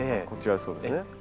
こちらそうですね。